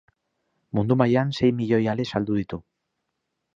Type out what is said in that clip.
Mundu mailan sei milioi ale saldu ditu.